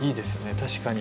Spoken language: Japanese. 確かに。